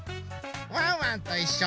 ワンワンといっしょ。